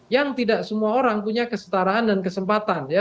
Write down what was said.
yang tidak semua orang punya kesetaraan dan kesempatan ya